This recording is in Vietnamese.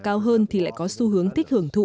cao hơn thì lại có xu hướng thích hưởng thụ